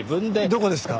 どこですか？